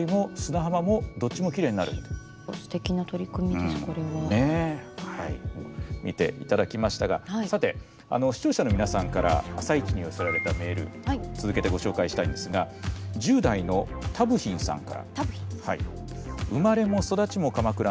でこのアクセサリー見ていただきましたがさて視聴者の皆さんから「あさイチ」に寄せられたメール続けてご紹介したいんですがそこが一番の推しですもんね。